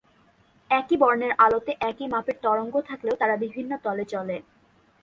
একই বর্ণের আলোতে একই মাপের তরঙ্গ থাকলেও তারা বিভিন্ন তলে চলে।